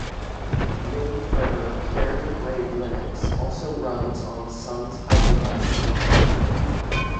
Wind River "Carrier Grade Linux" also runs on Sun's Hypervisor.